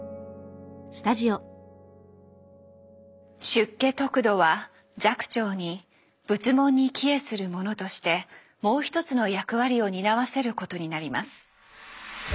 出家得度は寂聴に仏門に帰依する者としてもう一つの役割を担わせることになります。